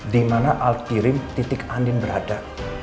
di mana al kirim titik andin berada